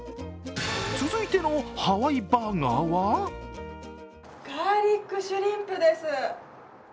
続いてのハワイバーガーはガーリックシュリンプです。